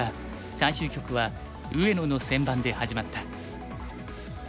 最終局は上野の先番で始まった。